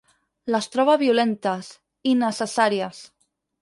Les troba violentes, innecessàries.